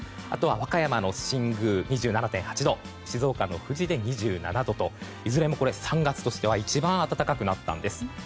あとは和歌山の新宮で２７．８度静岡の富士で２７度といずれも３月としては一番暖かくなったんです。